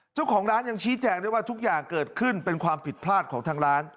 เจ้าของร้านยังชี้แจงได้ว่าทุกอย่างเกิดขึ้นเป็นความผิดพลาดของทางร้าน